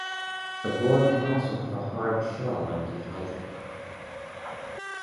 A gourd can also have a hard shell when dehydrated.